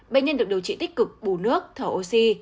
bệnh nhân được điều trị tích cực bù nước thở oxy